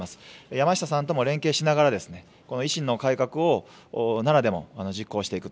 山下さんとも連携しながら、この維新の改革を奈良でも実行していく。